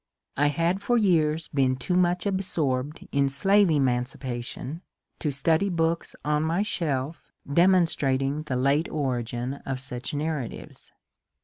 I had for years been too much absorbed in slave emancipation to study books on mj shelf demonstrating the late origin of such narratives.